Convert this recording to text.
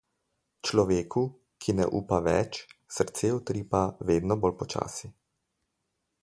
Človeku, ki ne upa več, srce utripa vedno bolj počasi.